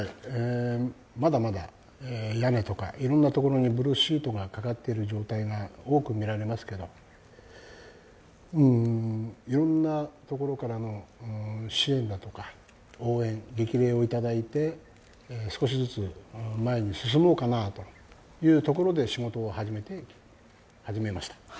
まだまだ屋根とかいろいろなところにブルシートがかかっている状態が多く見られますけど、いろんなところから支援だとか応援、激励をいただいて少しずつ前に進もうかなというところで仕事を始めました。